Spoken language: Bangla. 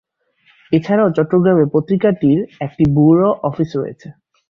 এছাড়াও চট্টগ্রামে পত্রিকাটির একটি ব্যুরো অফিস রয়েছে।